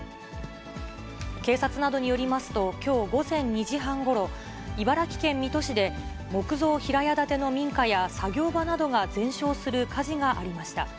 警察などによりますと、きょう午前２時半ごろ、茨城県水戸市で、木造平屋建ての民家や作業場などが全焼する火事がありました。